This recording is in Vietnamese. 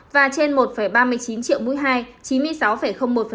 và trên một ba mươi chín triệu mũi hai chín mươi sáu một